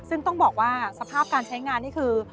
ซึ่งต้องบอกว่าสภาพการใช้งานนี่คือ